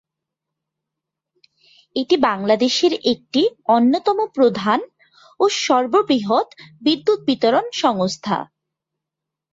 এটি বাংলাদেশের একটি অন্যতম প্রধান ও সর্ববৃহৎ বিদ্যুৎ বিতরণ সংস্থা।